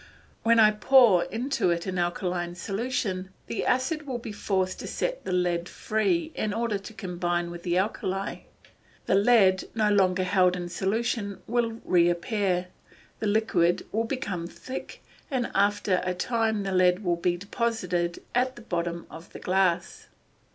When I pour into it an alkaline solution, the acid will be forced to set the lead free in order to combine with the alkali. The lead, no longer held in solution, will reappear, the liquor will become thick, and after a time the lead will be deposited at the bottom of the glass.